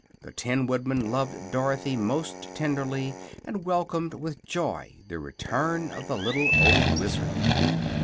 The Tin Woodman loved Dorothy most tenderly, and welcomed with joy the return of the little old Wizard.